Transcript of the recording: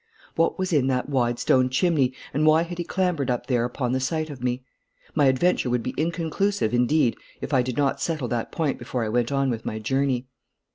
What was in that wide stone chimney, and why had he clambered up there upon the sight of me? My adventure would be inconclusive indeed if I did not settle that point before I went on with my journey.